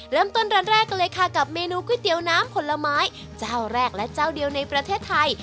เริ่มต้นร้านแรกกันเลยค่ะกับเมนูก๋วยเตี๋ยวน้ำผลไม้เจ้าแรกและเจ้าเดียวในประเทศไทย